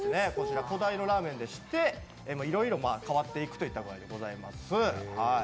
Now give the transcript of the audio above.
魚介のラーメンでしていろいろ変わっていくという形でございます。